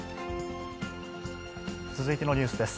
続いてのニュースです。